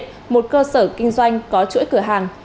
công an tp đà nẵng đã phát hiện một cơ sở kinh doanh có chuỗi cửa hàng